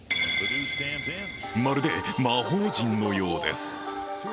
まるで魔法陣のようです。